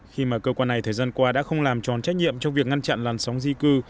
khi mà cơ quan này thời gian qua đã không làm tròn trách nhiệm trong việc ngăn chặn làn sóng di cư